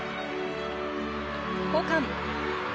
交換。